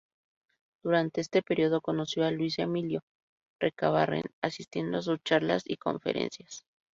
Durante este periodo conoció a Luis Emilio Recabarren, asistiendo a sus charlas y conferencias.